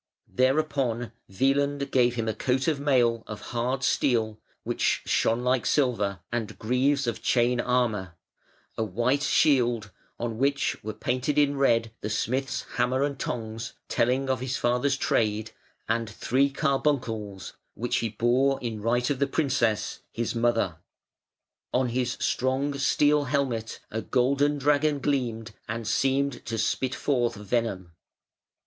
Thereupon Wieland gave him a coat of mail of hard steel, which shone like silver, and greaves of chain armour; a white shield, on which were painted in red the smith's hammer and tongs, telling of his father's trade, and three carbuncles, which he bore in right of the princess, his mother. On his strong steel helmet a golden dragon gleamed and seemed to spit forth venom.